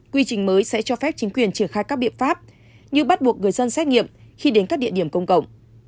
quy trình mới sẽ cho phép chính quyền triển khai các biện pháp như bắt buộc người dân xét nghiệm khi đến các địa điểm công cộng